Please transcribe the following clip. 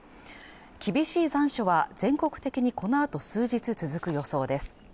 厳しい残暑は全国的にこのあと数日続く予想です